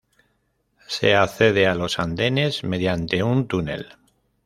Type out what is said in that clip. Se accede a los andenes mediante un túnel.